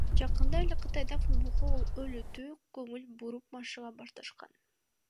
Жакында эле Кытайда футболго олуттуу көңүл буруп машыга башташкан.